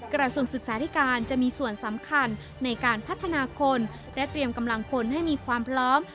กระทรวงศึกษาธิการจะมีส่วนสำคัญในการพัฒนาคนและเตรียมกำลังพลให้มีความพร้อม